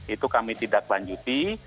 itu kami tidak lanjuti